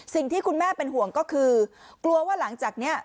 สิ่งที่คุณแม่เป็นห่วงก็คือกลัวว่าหลังจากนี้